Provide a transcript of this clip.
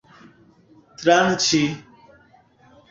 tranĉi